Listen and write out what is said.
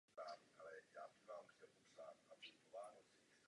Stezka začíná dřevěnou vstupní branou a u kruhového pavilonu.